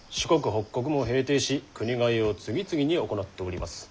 北国も平定し国替えを次々に行っております。